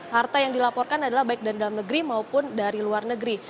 harta yang dilaporkan adalah baik dari dalam negeri maupun dari luar negeri